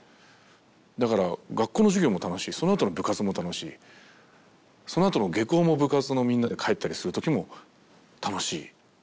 だから学校の授業も楽しいそのあとの部活も楽しいそのあとの下校も部活のみんなで帰ったりするときも楽しい。